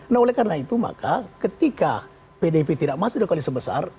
nah oleh karena itu maka ketika pdip tidak masuk ke koalisi besar